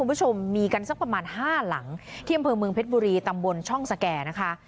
คุณผู้ชมมีกันสักประมาณห้าหลังที่อำเภอเมืองเพชรบุรีตำบลช่องสแก่นะคะ